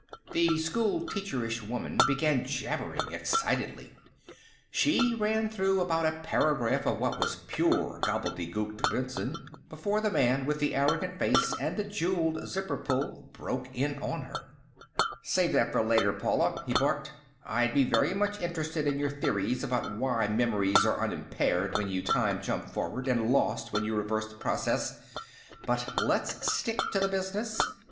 The schoolteacherish woman began jabbering excitedly; she ran through about a paragraph of what was pure gobbledegook to Benson, before the man with the arrogant face and the jewelled zipper pull broke in on her. "Save that for later, Paula," he barked. "I'd be very much interested in your theories about why memories are unimpaired when you time jump forward and lost when you reverse the process, but let's stick to business.